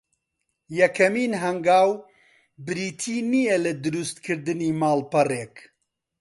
یەکەمین هەنگاو بریتی نییە لە درووست کردنی ماڵپەڕێک